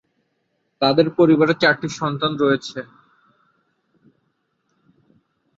তাদের পরিবারে চারটি সন্তান রয়েছে।